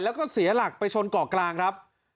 แล้วก็เสียหลักไปชนเกาะกลางครับ